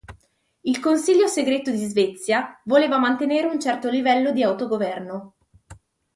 Il Consiglio Segreto di Svezia voleva mantenere un certo livello di autogoverno.